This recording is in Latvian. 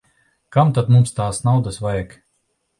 Kam tad mums tās naudas vajag.